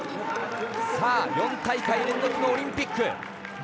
４大会連続のオリンピック。